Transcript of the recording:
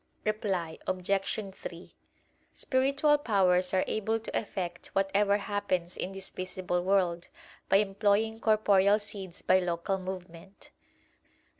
Reply Obj. 3: Spiritual powers are able to effect whatever happens in this visible world, by employing corporeal seeds by local movement.